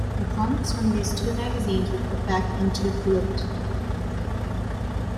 The comics from these two magazines were put back into "Pilote".